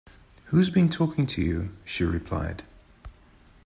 “Who’s been talking to you?” she replied.